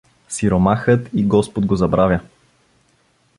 Сиромахът и господ го забравя.